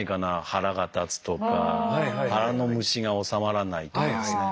腹が立つとか腹の虫が治まらないとかですね。